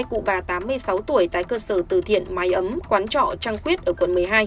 cụ bà tám mươi sáu tuổi tại cơ sở từ thiện máy ấm quán trọ trang quyết ở quận một mươi hai